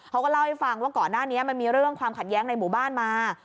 เขาก็เล่าให้ฟังว่าก่อนหน้านี้มันมีเรื่องความขัดแย้งในหมู่บ้านมา